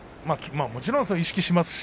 もちろん意識しますし。